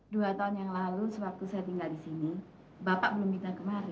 dua tahun yang lalu sewaktu saya tinggal di sini bapak belum minta kemari